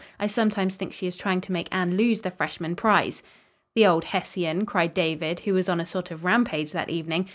I sometimes think she is trying to make Anne lose the freshman prize." "The old Hessian!" cried David, who was on a sort of rampage that evening.